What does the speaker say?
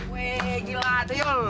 weh gila tuyul